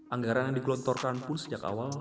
anggaran yang digelontorkan pun sejak awal